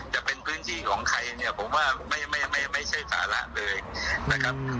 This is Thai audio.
จะเป็นพื้นที่ของใครเนี่ยผมว่าไม่ไม่ใช่สาระเลยนะครับ